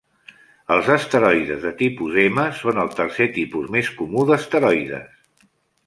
Els asteroides de tipus M són el tercer tipus més comú d'asteroides.